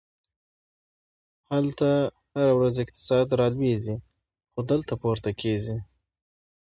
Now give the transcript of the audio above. هلته هره ورځ اقتصاد رالویږي، خو دلته پورته کیږي!